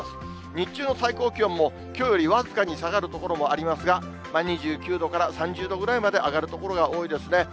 日中の最高気温もきょうより僅かに下がる所もありますが、２９度から３０度ぐらいまで上がる所が多いですね。